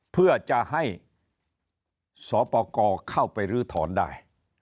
เพื่อจะให้สปกรเข้าไปรื้อถอนได้